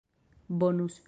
bonus